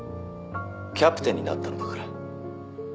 「キャプテンになったのだから」